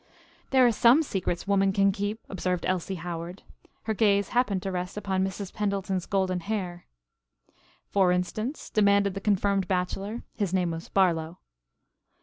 "There are some secrets woman can keep," observed Elsie Howard. Her gaze happened to rest upon Mrs. Pendleton's golden hair. "For instance," demanded the confirmed bachelor. (His name was Barlow.)